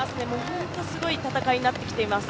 本当にすごい戦いになってきています。